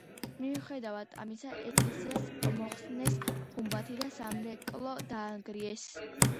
მიუხედავად ამისა ეკლესიას მოხსნეს გუმბათი და სამრეკლო დაანგრიეს.